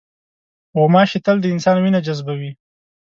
غوماشې تل د انسان وینه جذبوي.